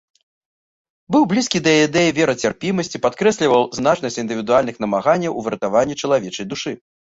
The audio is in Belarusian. Быў блізкі да ідэі верацярпімасці, падкрэсліваў значнасць індывідуальных намаганняў у выратаванні чалавечай душы.